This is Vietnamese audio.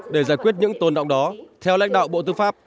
để giải quyết những tồn động đó theo lãnh đạo bộ tư pháp